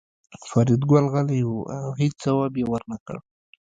فریدګل غلی و او هېڅ ځواب یې ورنکړ